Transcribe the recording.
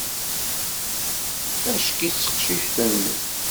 Acki-tt teqcict-nni!